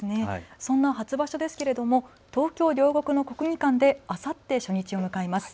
そんな初場所ですが東京両国の国技館であさって初日を迎えます。